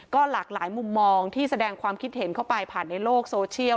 ก็หลากหลายมุมมองที่แสดงความคิดเห็นเข้าไปผ่านในโลกโซเชียล